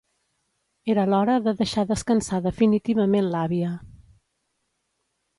Era l'hora de deixar descansar definitivament l'àvia.